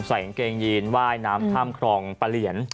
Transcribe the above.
ใส่อังกลางเยีนไหว้น้ำท่ามครองปะเหรียญ